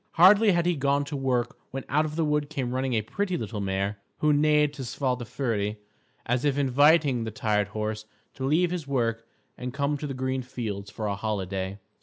Hardly had he gone to work when out of the wood came running a pretty little mare, who neighed to Svadilföri as if inviting the tired horse to leave his work and come to the green fields for a holiday.